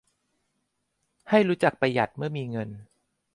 ให้รู้จักประหยัดเมื่อมีเงิน